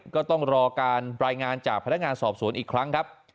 ก็ต้องรอการรายงานจากพนักงานสอบสวนอีกครั้งครับ